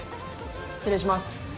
失礼します。